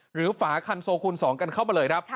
ฝาคันโซคูณ๒กันเข้ามาเลยครับ